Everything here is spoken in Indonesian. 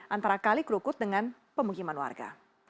antara kali kerukut dengan pemukiman warga